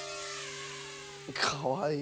かわいい。